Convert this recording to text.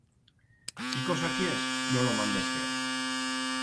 Si cosa quiers, no lo mandes fer.